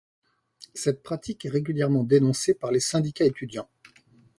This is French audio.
Cette pratique est régulièrement dénoncée par les syndicats étudiants.